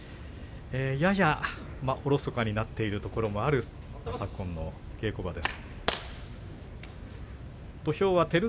ややおろそかになっているところもある昨今の稽古場です。